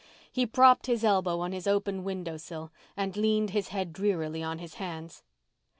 He propped his elbow on his open window sill and leaned his head drearily on his hands.